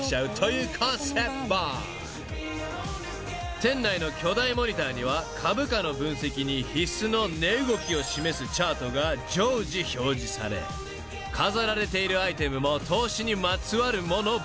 ［店内の巨大モニターには株価の分析に必須の値動きを示すチャートが常時表示され飾られているアイテムも投資にまつわるものばかり］